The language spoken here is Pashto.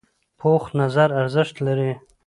پوخ نظر ارزښت لري